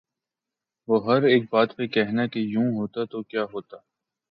وہ ہر ایک بات پہ کہنا کہ یوں ہوتا تو کیا ہوتا